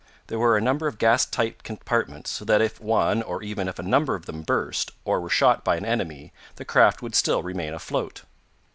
There were a number of gas tight compartments, so that if one, or even if a number of them burst, or were shot by an enemy, the craft would still remain afloat.